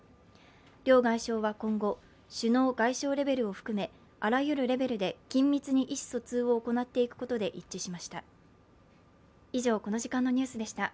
両外相は今後、首脳・外相レベルを含めあらゆるレベルで緊密に意思疎通を行っていくことで一致しました。